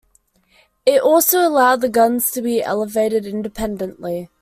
It also allowed the guns to be elevated independently.